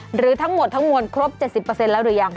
หรือทั้งหมดทั้งมวลครบ๗๐เปอร์เซ็นต์แล้วหรือยัง